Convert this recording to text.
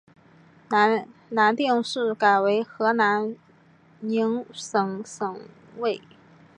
南定市改为河南宁省省莅。